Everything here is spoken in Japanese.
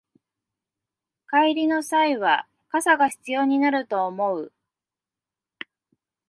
帰りの際は傘が必要になると思う